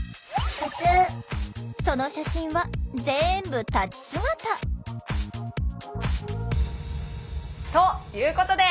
その写真はぜんぶ立ち姿！ということでやって来たのは。